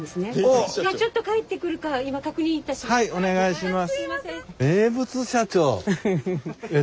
はいお願いします。